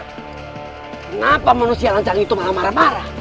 kenapa manusia lancang itu malah marah marah